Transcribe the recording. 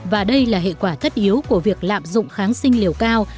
và đây là hệ quả thất yếu của việc lạm dụng kháng sinh liều cao